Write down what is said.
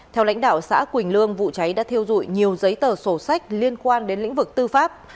theo lãnh đạo xã quỳnh lương vụ cháy đã thiêu dụi nhiều giấy tờ sổ sách liên quan đến lĩnh vực tư pháp